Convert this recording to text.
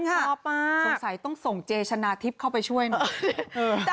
สมมติต้องส่งเจชนะทิพย์เข้าไลน์เป็นให้ช่วย